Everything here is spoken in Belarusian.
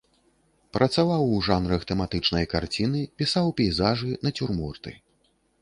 Працаваў у жанрах тэматычнай карціны, пісаў пейзажы, нацюрморты.